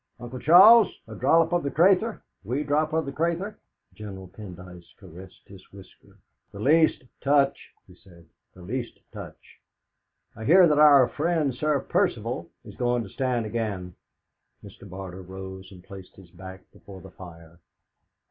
"Uncle Charles, a dhrop of the craythur a wee dhrop of the craythur?" General Pendyce caressed his whisker. "The least touch," he said, "the least touch! I hear that our friend Sir Percival is going to stand again." Mr. Barter rose and placed his back before the fire.